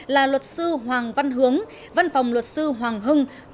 là luật sư hoàng văn hướng văn phòng luật sư hoàng hưng